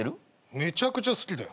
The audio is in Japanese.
めちゃくちゃ好きだよ。